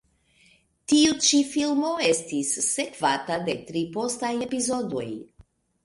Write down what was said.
Tiu ĉi filmo estis sekvata de tri postaj epizodoj.